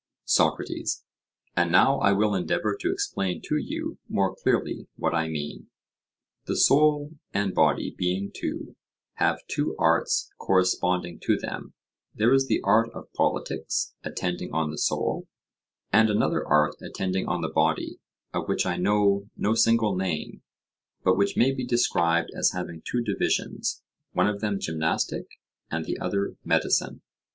SOCRATES: And now I will endeavour to explain to you more clearly what I mean: The soul and body being two, have two arts corresponding to them: there is the art of politics attending on the soul; and another art attending on the body, of which I know no single name, but which may be described as having two divisions, one of them gymnastic, and the other medicine.